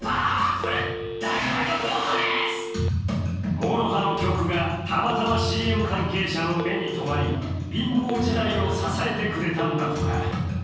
ＭＯＲＯＨＡの曲がたまたまＣＭ関係者の目に止まり、貧乏時代を支えてくれたんだとか。